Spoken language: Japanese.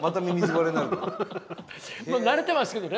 まあ慣れてますけどね